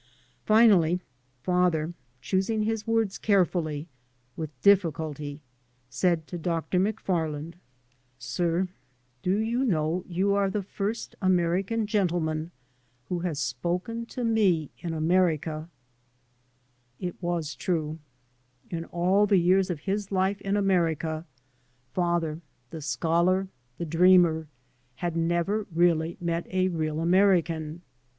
Fi nally father, choosing his words carefully, with difKculty, said, to Dr. McFarland, " Sir, 3 by Google MY. MOTHER AND I do you know you are the first American gen tleman who has spoken to me in America ?" It was true. In all the years of his life in America, father the scholar, the dreamer, had never really met a real American.